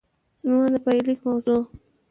زما د پايليک موضوع